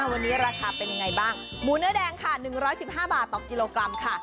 วันนี้ราคาเป็นยังไงบ้างหมูเนื้อแดงค่ะ๑๑๕บาทต่อกิโลกรัมค่ะ